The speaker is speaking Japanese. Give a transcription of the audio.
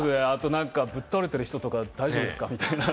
ぶっ倒れてる人とか、大丈夫ですか？とか。